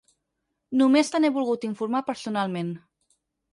Només te n'he volgut informar personalment.